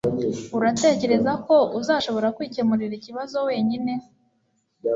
Uratekereza ko uzashobora kwikemurira ikibazo wenyine?